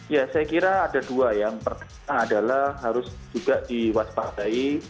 ya saya kira ada dua yang pertama adalah harus juga diwaspadai